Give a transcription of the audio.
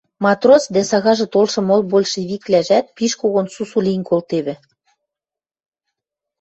Матрос дӓ сагажы толшы мол большевиквлӓжӓт пиш когон сусу лин колтевӹ.